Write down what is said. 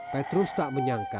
petrus tak menyangka